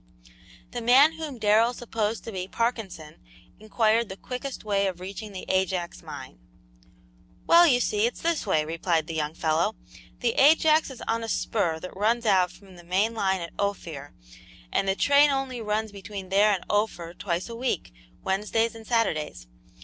The man whom Darrell supposed to be Parkinson inquired the quickest way of reaching the Ajax mine. "Well, you see it's this way," replied the young fellow. "The Ajax is on a spur that runs out from the main line at Ophir, and the train only runs between there and Ophir twice a week, Wednesdays and Saturdays.